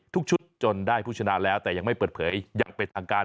ทุกชุดจนได้ผู้ชนะแล้วแต่ยังไม่เปิดเผยอย่างเป็นทางการ